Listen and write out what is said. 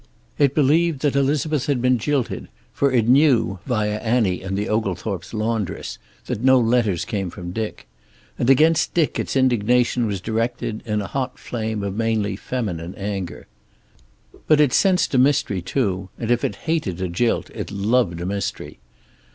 It believed that Elizabeth had been jilted, for it knew, via Annie and the Oglethorpe's laundress, that no letters came from Dick. And against Dick its indignation was directed, in a hot flame of mainly feminine anger. But it sensed a mystery, too, and if it hated a jilt it loved a mystery.